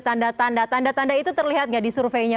tanda tanda tanda tanda tanda itu terlihat nggak di surveinya